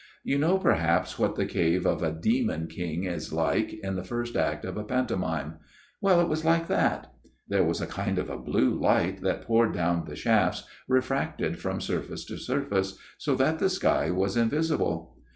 You know perhaps what the 270 A MIRROR OF SHALOTT cave of a demon king is like, in the first act of a pantomime. Well, it was like that. There was a kind of blue light that poured down the shafts, refracted from surface to surface ; so that the sky was invisible.